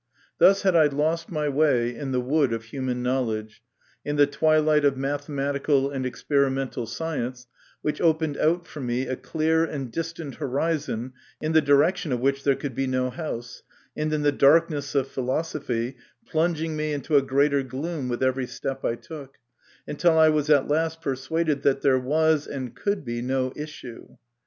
Thus had I lost my way in the wood of human knowledge, in the twilight of mathematical and experimental science, which opened out for me a clear and distant horizon in the direction of which there could be no house, and in the dark ness of philosophy, plunging me into a greater gloom with every step I took, until I was at last persuaded that there was, and could be, no issue.